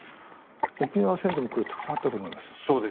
沖縄戦でもこれたくさんあったと思います。